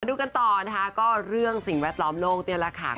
ดูกันต่อนะคะก็เรื่องสิ่งแวดล้อมโลกนี่แหละค่ะ